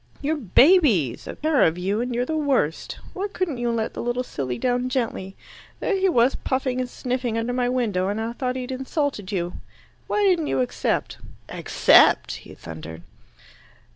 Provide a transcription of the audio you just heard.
"You're babies, a pair of you, and you're the worst. Why couldn't you let the little silly down gently? There he was puffing and sniffing under my window, and I thought he'd insulted you. Why didn't you accept?" "Accept?" he thundered.